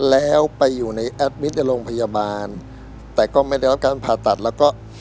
แล้วไปอยู่ในแอดมิตรในโรงพยาบาลแต่ก็ไม่ได้รับการผ่าตัดแล้วก็